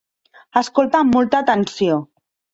Escolta amb molta atenció.